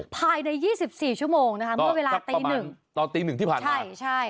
ภายใน๒๔ชั่วโมงนะคะเมื่อเวลาตีหนึ่งตอนตีหนึ่งที่ผ่านมาใช่ใช่